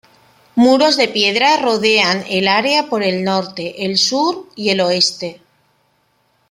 Muros de piedra rodean el área por el norte, el sur y el oeste.